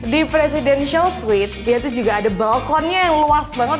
di presidential sweet dia itu juga ada balkonnya yang luas banget